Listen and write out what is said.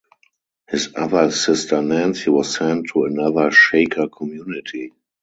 His other sister Nancy was sent to another Shaker community.